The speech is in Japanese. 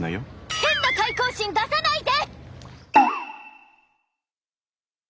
変な対抗心出さないで！